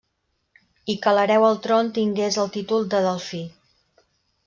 I que l'hereu al tron tingués el títol de delfí.